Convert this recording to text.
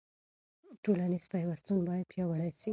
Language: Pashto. ټولنیز پیوستون باید پیاوړی سي.